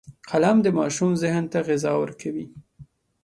قلم د ماشوم ذهن ته غذا ورکوي